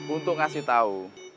untuk ngasih tahu